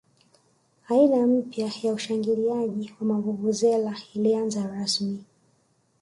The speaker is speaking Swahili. aina mpya ya ushangiliaji wa mavuvuzela ulianza rasmi